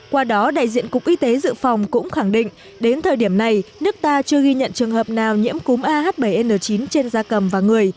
qua đó đại diện cục y tế dự phòng cũng khẳng định đến thời điểm này nước ta chưa ghi nhận trường hợp nào nhiễm cúm ah bảy n chín trên da cầm và người